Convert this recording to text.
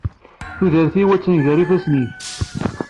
Tudert-iw attan gar ifassen-ik.